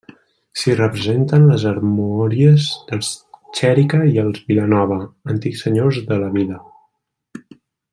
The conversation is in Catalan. S'hi representen les armories dels Xèrica i els Vilanova, antics senyors de la vila.